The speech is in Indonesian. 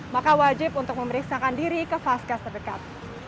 maka wajib untuk memeriksakan diri ke vaskas terdekat